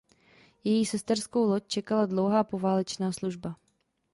Její sesterskou loď čekala dlouhá poválečná služba.